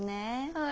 はい。